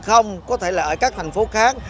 không có thể là ở các thành phố khác